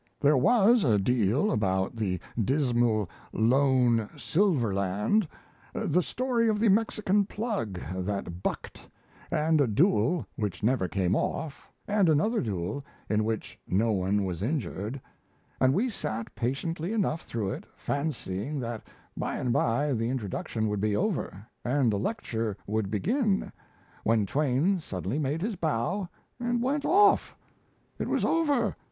There was a deal about the dismal, lone silver land, the story of the Mexican plug that bucked, and a duel which never came off, and another duel in which no one was injured; and we sat patiently enough through it, fancying that by and by the introduction would be over, and the lecture would begin, when Twain suddenly made his bow and went off! It was over.